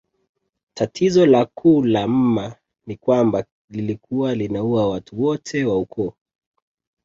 Tatizo la kuu la mma ni kwamba lilikuwa linaua watu wote wa ukoo